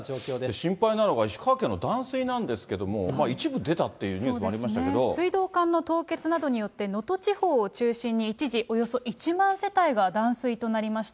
心配なのが、石川県の断水なんですけれども、一部出たっていうニュースもあり水道管の凍結などによって、能登地方を中心に一時およそ１万世帯が断水となりました。